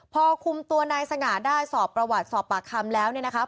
พอคุมตัวนายสง่าได้สอบประวัติสอบปากคำแล้วเนี่ยนะคะ